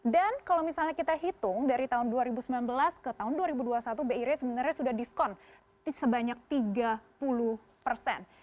dan kalau misalnya kita hitung dari tahun dua ribu sembilan belas ke tahun dua ribu dua puluh satu bi rate sebenarnya sudah diskon sebanyak tiga puluh persen